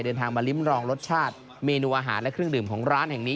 เดินทางมาริมรองรสชาติเมนูอาหารและเครื่องดื่มของร้านแห่งนี้